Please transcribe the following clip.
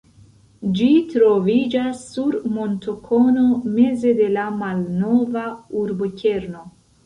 Ĝi troviĝas sur montokono meze de la malnova urbokerno.